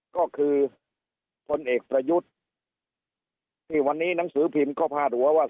ก็คือพลเอกประยุทธ์ที่วันนี้หนังสือพิมพ์ก็พาดหัวว่า